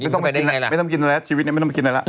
กินเข้าไปได้ไงล่ะไม่ต้องมากินอะไรชีวิตนี้ไม่ต้องมากินอะไรล่ะ